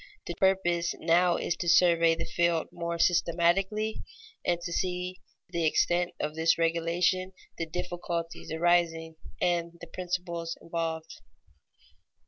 The purpose now is to survey the field more systematically and to see the extent of this regulation, the difficulties arising, and the principles involved.